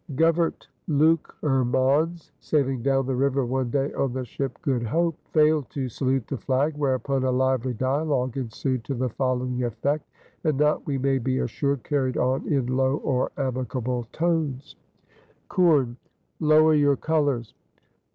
Govert Loockermans, sailing down the river one day on the ship Good Hope, failed to salute the flag, whereupon a lively dialogue ensued to the following effect, and not, we may be assured, carried on in low or amicable tones: Coorn: "Lower your colors!"